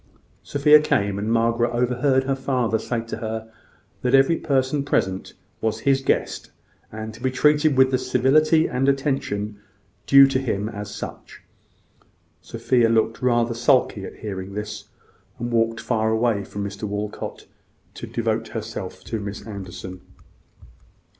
Sophia came, and Margaret overheard her father say to her, that every person present was his guest, and to be treated with the civility and attention due to him as such. Sophia looked rather sulky at hearing this, and walked far away from Mr Walcot to devote herself to Miss Anderson.